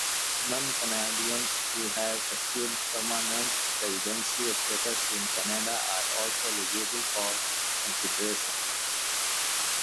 Non-Canadians who have achieved permanent residency status in Canada are also eligible for consideration.